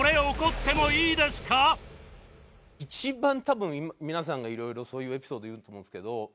一番多分皆さんがいろいろそういうエピソードを言うと思うんですけど薄くて。